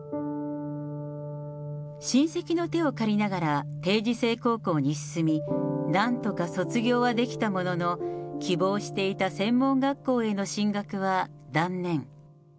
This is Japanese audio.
親戚の手を借りながら定時制高校に進み、なんとか卒業はできたものの、希望していた専門学校への進学は断念。